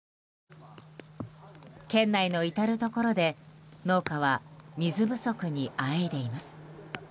県内の至るところで農家は水不足にあえいでいます。